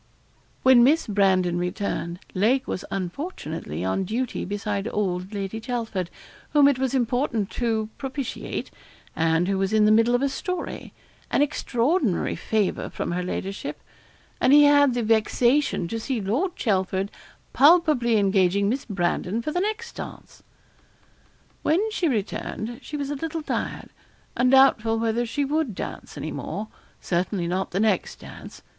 When Miss Brandon returned, Lake was unfortunately on duty beside old Lady Chelford, whom it was important to propitiate, and who was in the middle of a story an extraordinary favour from her ladyship; and he had the vexation to see Lord Chelford palpably engaging Miss Brandon for the next dance. When she returned, she was a little tired, and doubtful whether she would dance any more certainly not the next dance.